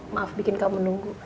maaf bikin kamu nunggu